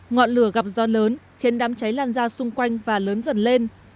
ngọn lửa gặp gió lớn khiến đám cháy lan ra xung quanh và lớn dần lên